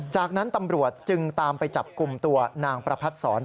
จากนั้นตำรวจจึงตามไปจับกลุ่มตัวนางประพัดศร